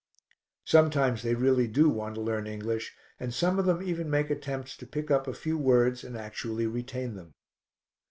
Sometimes they really do want to learn English and some of them even make attempts to pick up a few words and actually retain them.